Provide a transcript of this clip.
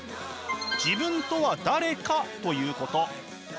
自分とは誰か？ということ。